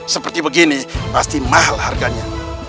seperti begini pasti mahal harganya